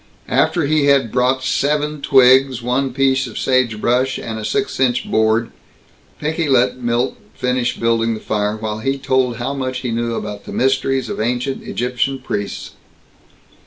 After he had brought seven twigs, one piece of sagebrush, and a six inch board, Pinky let Milt finish building the fire, while he told how much he knew about the mysteries of ancient Egyptian priests.